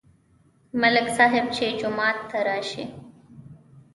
ملک صاحب چې جومات ته راشي.